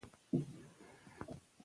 نیک نوم تر پیسو غوره دی.